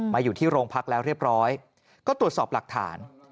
อยู่ที่โรงพักแล้วเรียบร้อยก็ตรวจสอบหลักฐาน